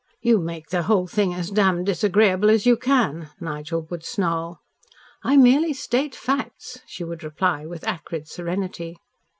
"You make the whole thing as damned disagreeable as you can," Nigel would snarl. "I merely state facts," she would reply with acrid serenity.